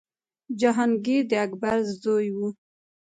جهانګیر د اکبر زوی و.